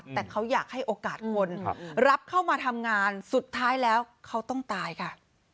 แต่เขาอยากให้โอกาสคนรับเข้ามาทำงานสุดท้ายแล้วเขาต้องตายค่ะ